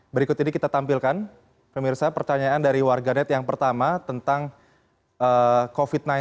berikut ini kita tampilkan pemirsa pertanyaan dari warganet yang pertama tentang covid sembilan belas